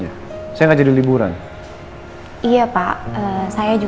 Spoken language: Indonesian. gayanya udah kelinuman geng bug